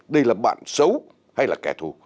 đây là bạn xấu hay là kẻ thù